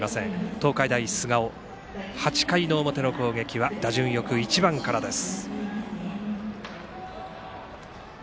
東海大菅生８回の表の攻撃は打順よく１番からです。